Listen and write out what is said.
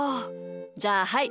じゃあはい